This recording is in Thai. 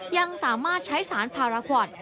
ยังสามารถใช้สารพาราคอต